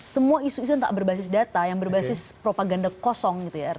semua isu isu yang tak berbasis data yang berbasis propaganda kosong gitu ya